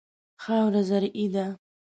خاوره زرعي ده.